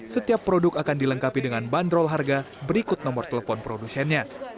setiap produk akan dilengkapi dengan bandrol harga berikut nomor telepon produsennya